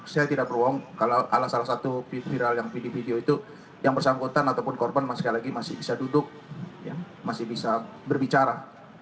saya tidak berong kalau salah satu viral yang video video itu yang bersangkutan ataupun korban sekali lagi masih bisa duduk masih bisa berbicara